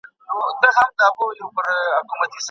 د ټولنې هر وګړی باید مسؤلیت منونکی وي.